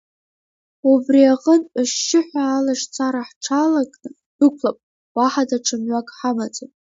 Убри аҟынтә, ашьшьыҳәа алашь-цара ҳҽалакны ҳдәықәлап, уаҳа даҽа мҩак ҳамаӡам!